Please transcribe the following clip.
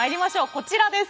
こちらです。